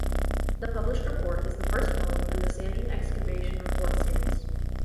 The published report is the first volume in the Sanjan Excavation Report Series.